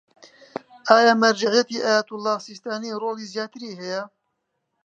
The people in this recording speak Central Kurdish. ئایا مەرجەعیەتی ئایەتوڵا سیستانی ڕۆڵی زیاتری هەیە؟